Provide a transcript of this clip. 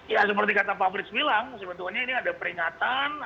ya seperti kata pak frits bilang sebetulnya ini ada peringatan